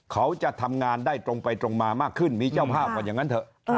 เขาจะทำงานได้ตรงไปตรงมามากขึ้นมีเจ้าภาพก่อนอย่างนั้นเถอะ